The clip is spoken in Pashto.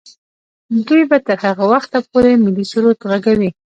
دوی به تر هغه وخته پورې ملي سرود ږغوي.